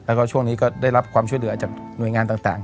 แล้วก็ช่วงนี้ก็ได้รับความช่วยเหลือจากหน่วยงานต่าง